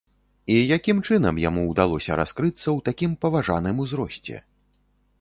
І якім чынам яму ўдалося раскрыцца ў такім паважаным узросце?